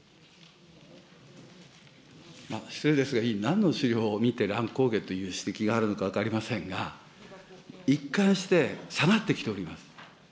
失礼ですが、なんの資料を見て、乱高下という指摘があるのか分かりませんが、一貫して下がってきております。